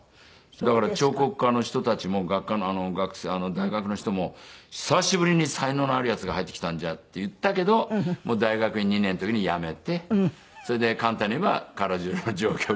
だから彫刻科の人たちも学科の大学の人も久しぶりに才能のあるヤツが入ってきたんじゃって言ったけど大学２年の時にやめてそれで簡単に言えば唐十郎の状況